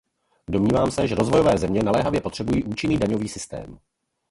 Domnívám se, že rozvojové země naléhavě potřebují účinný daňový systém.